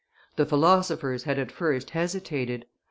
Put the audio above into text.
The philosophers had at first hesitated.